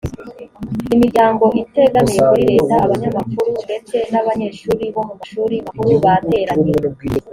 imiryango itegamiye kuri leta abanyamakuru ndetse n abanyeshuri bo mu mashuri makuru bateranye